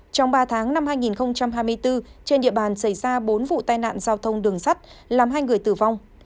trong ba tháng năm hai nghìn hai mươi bốn trên địa bàn xảy ra bốn vụ tai nạn giao thông đường sắt làm hai người tử vong